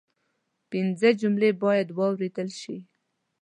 پنځه جملې باید واوریدل شي